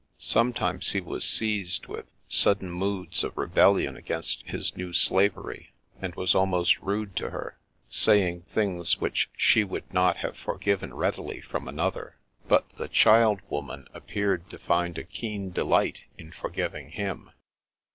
Sometimes he was seized with sudden moods of re bellion against his new slavery, and was almost rude to her, saying things which she would not have for given readily from another, but the child woman appeared to find a keen delight in forgiving him.